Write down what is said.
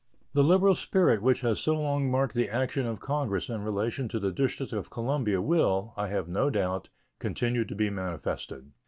The liberal spirit which has so long marked the action of Congress in relation to the District of Columbia will, I have no doubt, continue to be manifested.